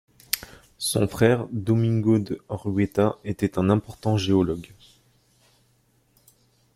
Son frère Domingo de Orueta était un important géologue.